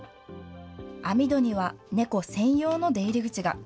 網戸には猫専用の出入り口が。